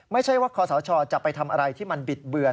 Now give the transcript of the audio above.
ไม่ใช่ว่าคอสชจะไปทำอะไรที่มันบิดเบือน